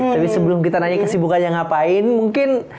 tapi sebelum kita nanya kesibukannya ngapain mungkin